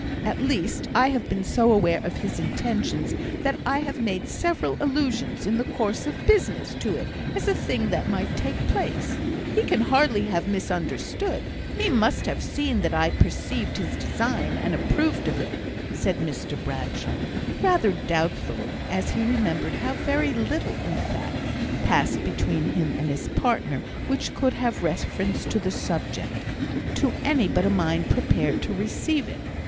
At least, I have been so aware of his intentions that I have made several allusions, in the course of business, to it, as a thing that might take place. He can hardly have misunderstood; he must have seen that I perceived his design, and approved of it," said Mr Bradshaw, rather doubtfully; as he remembered how very little, in fact, passed between him and his partner which could have reference to the subject, to any but a mind prepared to receive it.